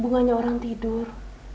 bunganya orang tidur